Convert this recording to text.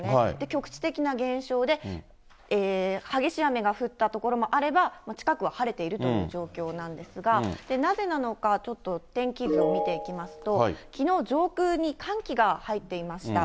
局地的な現象で、激しい雨が降った所もあれば、近くは晴れているという状況なんですが、なぜなのか、ちょっと天気図を見ていきますと、きのう、上空に寒気が入っていました。